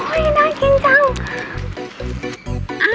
โอ้ยน่ากินจัง